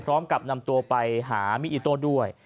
พร้อมกับนำตัวไปหามิอิโต้ด้วย